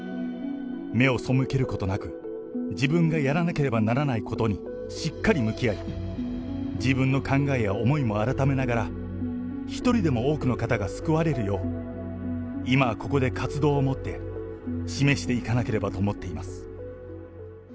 目を背けることなく、自分がやらなければならないことにしっかり向き合い、自分の考えや思いも改めながら、一人でも多くの方が救われるよう、今、ここで活動をもって、示していかなければと思っています。